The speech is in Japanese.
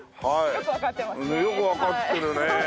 よくわかってるねえ。